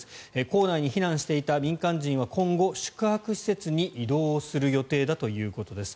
構内に避難していた民間人は今後、宿泊施設に移動するということです。